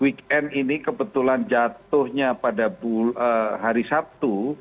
weekend ini kebetulan jatuhnya pada hari sabtu